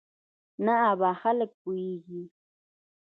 نه ابا خلک پوېېږي.